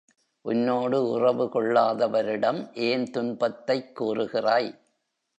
உன்னோடு உறவு கொள்ளாதவரிடம் ஏன் துன்பத்தைக் கூறுகிறாய்?